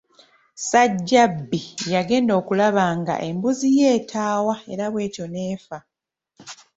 Ssajjabbi yagenda okulaba nga embuzi ye etaawa era bw'etyo n'efa.